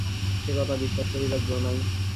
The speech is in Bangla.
সে কথা বিশ্বাস করিবার জো নাই।